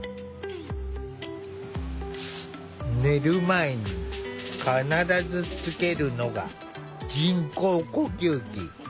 寝る前に必ずつけるのが人工呼吸器。